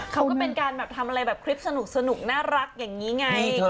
เขาก็เป็นการแบบทำอะไรแบบคลิปสนุกน่ารักอย่างนี้ไง